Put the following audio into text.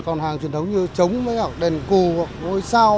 còn hàng truyền thống như trống với đèn cù hoặc ngôi sao